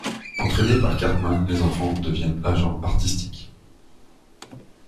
Entrainés par Cartman, les enfants deviennent agents artistiques.